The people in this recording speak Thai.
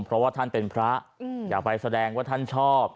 เพราะว่าท่านเป็นพระอย่าไปแสดงว่าท่านชอบ